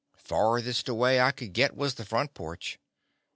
Farthest away I could git was the front porch.